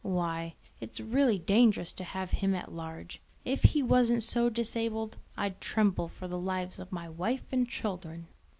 Why, it's really dangerous to have him at large. If he wasn't so disabled I'd tremble for the lives of my wife and children.